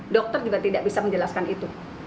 dokter juga tidak bisa menjelaskan itu